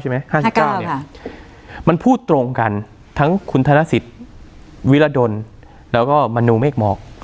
ใช่ไหม๕๙มันพูดตรงกันทั้งคุณธนสิทธิ์วิรดลแล้วก็มโนเมฆหมอก